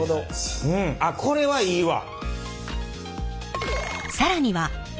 あっこれはいいわ！